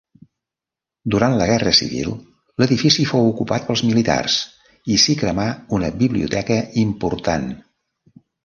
Durant la guerra civil l'edifici fou ocupat pels militars i s'hi cremà una biblioteca important.